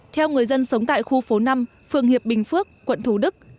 theo người dân sống tại khu phố năm phường hiệp bình phước quận thủ đức